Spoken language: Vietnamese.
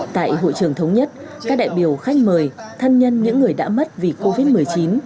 tại hội trưởng thống nhất các đại biểu khách mời thân nhân những người đã mất vì covid một mươi chín